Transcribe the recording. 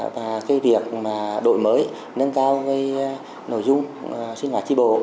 và việc đội mới nâng cao nội dung sinh hoạt tri bộ